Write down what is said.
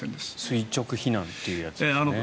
垂直避難というやつですね。